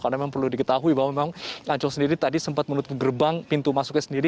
karena memang perlu diketahui bahwa memang ancol sendiri tadi sempat menutup gerbang pintu masuknya sendiri